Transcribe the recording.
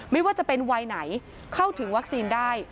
ไม่ว่าจะเป็นวัยไหนเข้าถึงวัคซีนได้